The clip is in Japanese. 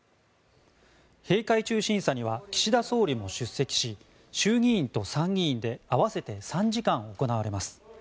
閉会中審査には岸田総理も出席し衆議院と参議院で合わせて３時間行われます。